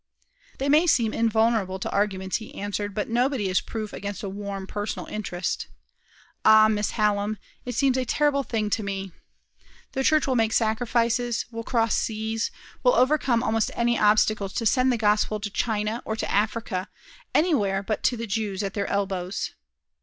"They may seem invulnerable to arguments," he answered, "but nobody is proof against a warm, personal interest. Ah, Miss Hallam, it seems a terrible thing to me. The Church will make sacrifices, will cross the seas, will overcome almost any obstacle to send the gospel to China or to Africa, anywhere but to the Jews at their elbows.